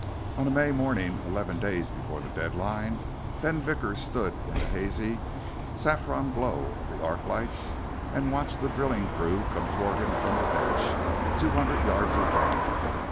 On a May morning eleven days before the deadline, Ben Vickers stood in the hazy saffron glow of the arc lights and watched the drilling crew come toward him from the bench, two hundred yards away.